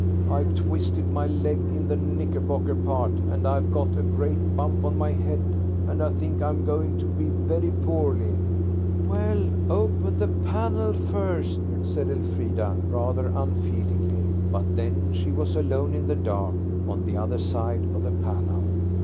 "I've twisted my leg in the knickerbocker part, and I've got a great bump on my head, and I think I'm going to be very poorly." "Well, open the panel first," said Elfrida, rather unfeelingly. But then she was alone in the dark on the other side of the panel.